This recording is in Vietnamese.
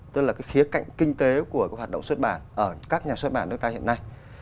tức là cái khía cạnh kinh tế của cái hoạt động xuất bản ở các nhà xuất bản nước ta hiện nay